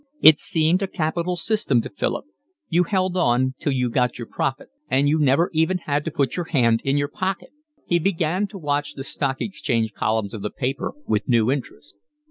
It seemed a capital system to Philip. You held on till you got your profit, and you never even had to put your hand in your pocket. He began to watch the Stock Exchange columns of the paper with new interest.